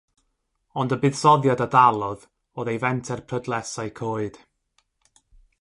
Ond y buddsoddiad a dalodd oedd ei fenter prydlesau coed.